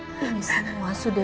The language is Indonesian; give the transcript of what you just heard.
ah iya ya saya mau makan sesuatu gak